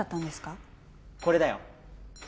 これだよ。